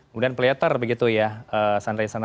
kemudian playter begitu ya sandra insana